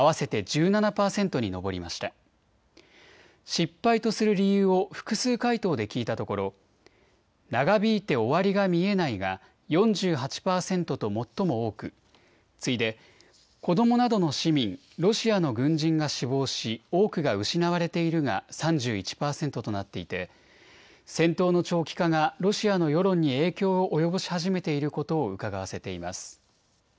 失敗とする理由を複数回答で聞いたところ長引いて終わりが見えないが４８％と最も多く、次いで子どもなどの市民、ロシアの軍人が死亡し多くが失われているが３１％となっていて戦闘の長期化がロシアの世論に影響を及ぼし始めていることをうかがわせています。